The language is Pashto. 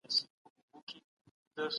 هغه ماشین چې هانمین جوړ کړ څه کار کوي؟